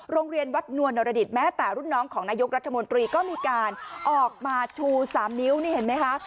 โรงเรียนวัดนวลนรดิตแม้แต่รุ่นน้องของนายกรัฐมนตรีก็มีการออกมาชู๓นิ้วนี่เห็นไหมคะ